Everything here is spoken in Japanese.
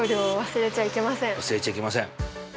忘れちゃいけません。